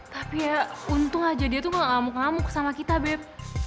tapi ya untung aja dia tuh gak ngamuk ngamuk sama kita beb